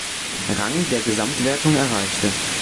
Rang der Gesamtwertung erreichte.